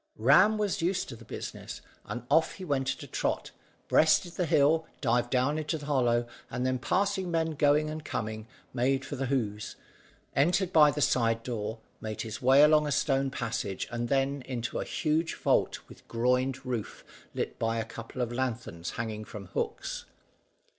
Ram was used to the business, and he went off at a trot, breasted the hill, dived down into the hollow, and then passing men going and coming, made for the Hoze, entered by the side door, made his way along a stone passage, and then down into a huge vault with groined roof lit by a couple of lanthorns hanging from hooks.